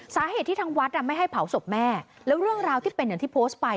สาเหตุที่ทางวัดไม่ให้เผาศพแม่แล้วเรื่องราวที่เป็นอย่างที่โพสต์ไป